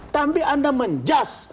tapi anda menjas